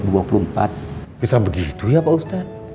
bisa begitu ya pak ustadz